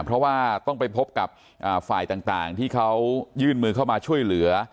เพราะว่าต้องไปพบกับฝ่ายต่างที่เขายื่นมือเข้ามาช่วยเหลือ